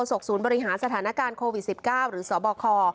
ศกศูนย์บริหารสถานการณ์โควิด๑๙หรือสบค